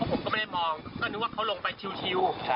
ผมก็ไม่ได้มองก็นึกว่าเขาลงไปชิว